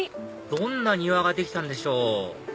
どんな庭ができたんでしょう？